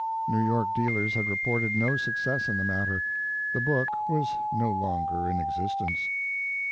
New York dealers had reported no success in the matter. The book was no longer in existence.